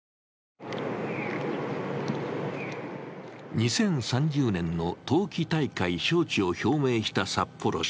２０３０年の冬季大会招致を表明した札幌市。